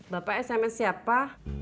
bapak sms siapa